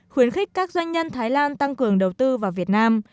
khuyến khích các doanh nhân thái lan tăng cường đầu tư vào việt nam